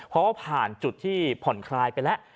เพราะว่าผ่านจุดที่ผ่อนคลายไปแล้ว